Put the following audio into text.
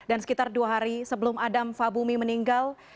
dan sekitar dua hari sebelum adam fabumi meninggal